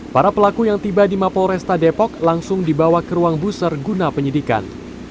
para pelaku yang tiba di mapolresta depok langsung dibawa ke ruang busur guna penyidikan